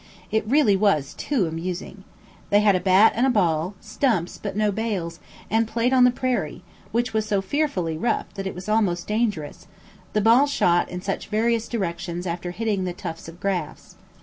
It really was too amusing. They had a bat and ball, stumps, but no bales, and played on the prairie, which was so fearfully rough that it was almost dangerous, the ball shot in such various directions after hitting the tufts of grass.